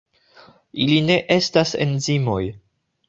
Ili ne estas enzimoj.